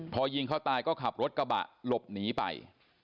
พอยิงเขาตายก็ขับรถกระบะหลบหนีไป